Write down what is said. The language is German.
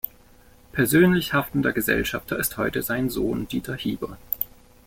Persönlich haftender Gesellschafter ist heute sein Sohn Dieter Hieber.